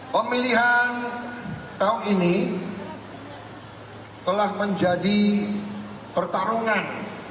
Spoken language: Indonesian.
pemilihan tahun ini telah menjadi pertarungan